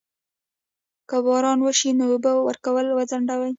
که باران وشي نو اوبه ورکول وځنډوم؟